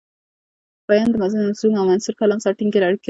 بیان د منظوم او منثور کلام سره ټینګي اړیکي لري.